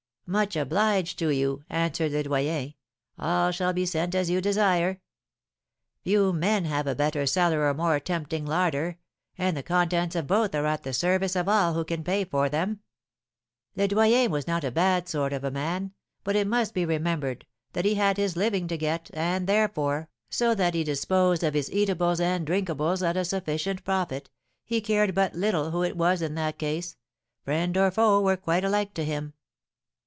'Much obliged to you,' answered Le Doyen; 'all shall be sent as you desire. Few men have a better cellar or more tempting larder, and the contents of both are at the service of all who can pay for them.' "Le Doyen was not a bad sort of a man, but it must be remembered that he had his living to get, and, therefore, so that he disposed of his eatables and drinkables at a sufficient profit, he cared but little who it was in that case, friend or foe were quite alike to him.